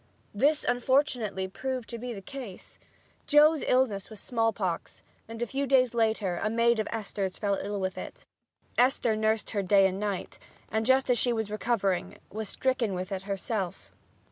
This unfortunately proved to be the case. Joe's illness was smallpox, and a few days later a maid of Esther's fell ill with it. Esther nursed her day and night, and just as she was recovering was stricken with it herself.